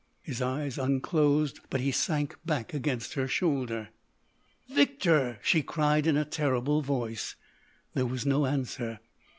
His eyes unclosed but he sank back against her shoulder. "Victor!" she cried in a terrible voice. There was no answer.